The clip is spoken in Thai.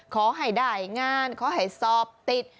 ขอให้ได้งานขอให้สอบติด